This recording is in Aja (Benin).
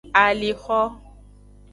Alixo.